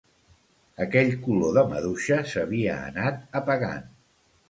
Aquell color de maduixa, s'havia anat apagant